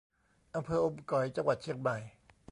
อำเภออมก๋อย จังหวัดเชียงใหม่